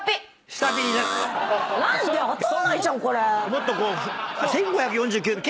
もっとこう１５４９年。